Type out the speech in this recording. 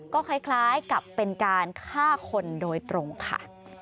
ก็คล้ายกับเป็นการฆ่าคนโดยตรงค่ะ